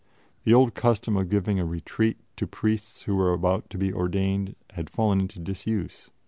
The old custom of giving a retreat to priests who were about to be ordained had fallen into disuse.